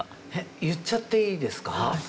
言っちゃっていいですか？